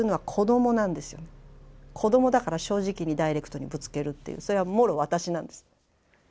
子供だから正直にダイレクトにぶつけるっていうそれはもろ私なんです。